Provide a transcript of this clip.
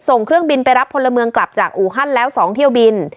เครื่องบินไปรับพลเมืองกลับจากอูฮันแล้ว๒เที่ยวบิน